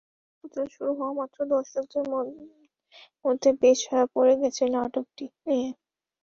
প্রচার শুরু হওয়ামাত্র দর্শকদের মধ্যে বেশ সাড়া পড়ে গেছে নাটকটি নিয়ে।